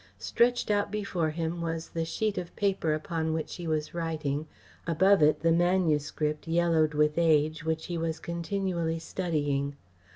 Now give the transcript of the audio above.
Stretched out before him was the sheet of paper upon which he was writing, above it the manuscript, yellowed with age, which he was continually studying.